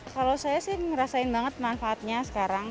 kalau saya sih ngerasain banget manfaatnya sekarang